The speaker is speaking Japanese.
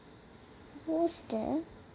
どうして？